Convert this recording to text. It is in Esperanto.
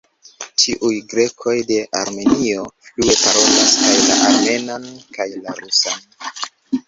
Ĉiuj grekoj de Armenio flue parolas kaj la armenan kaj la rusan.